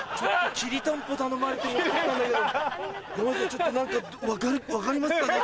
ちょっと何か分かりますかね？